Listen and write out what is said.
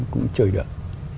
cũng chơi được